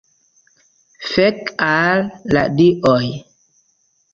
Fek' al la Dioj